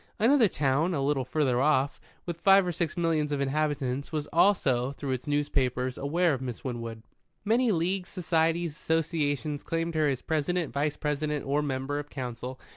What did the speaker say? Another town, a little further off, with five or six millions of inhabitants, was also, through its newspapers, aware of Miss Winwood. Many leagues, societies, associations, claimed her as President, Vice President, or Member of Council.